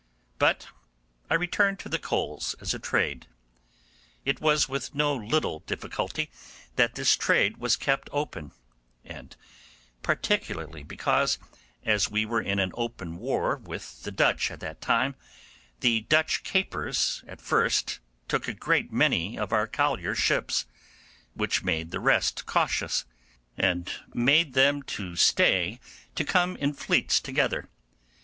But I return to the coals as a trade. It was with no little difficulty that this trade was kept open, and particularly because, as we were in an open war with the Dutch at that time, the Dutch capers at first took a great many of our collier ships, which made the rest cautious, and made them to stay to come in fleets together.